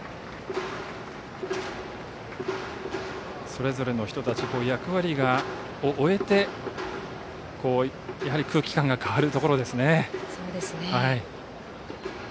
それぞれの人たち役割を終えて空気感が変わるところですね。